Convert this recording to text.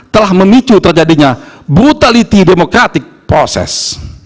telah memicu terjadinya brutality democratic process